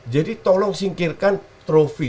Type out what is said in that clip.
jadi tolong singkirkan trophy